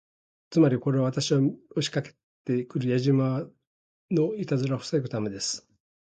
つまり、これは私を見に押しかけて来るやじ馬のいたずらを防ぐためです。